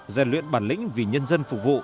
giải luyện bản lĩnh vì nhân dân phục vụ